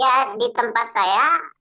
ya di tempat saya